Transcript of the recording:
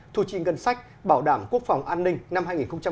thu chi ngân sách bảo đảm quốc phòng an ninh năm hai nghìn một mươi chín